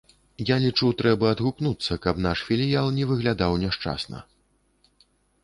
Я лічу, трэба адгукнуцца, каб наш філіял не выглядаў няшчасна.